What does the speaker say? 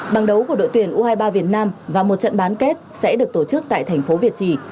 bảng đấu của đội tuyển u hai mươi ba việt nam và một trận bán kết sẽ được tổ chức tại thành phố việt trì